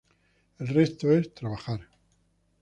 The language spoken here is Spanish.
El resto es trabajar.